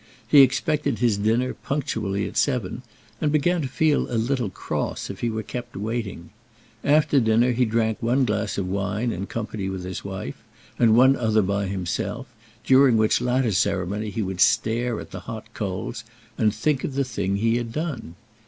He expected his dinner punctually at seven, and began to feel a little cross if he were kept waiting. After dinner, he drank one glass of wine in company with his wife, and one other by himself, during which latter ceremony he would stare at the hot coals, and think of the thing he had done.